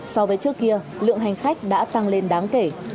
so với trước kia lượng hành khách đã tăng lên đáng kể